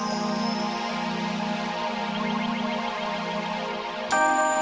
aduh aduh aduh aduh